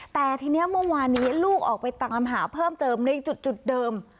แต่ทีนี้เมื่อวานนี้ลูกออกไปตามหาเพิ่มเติมในจุดเดิม